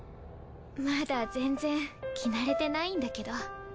まだ全然着慣れてないんだけど。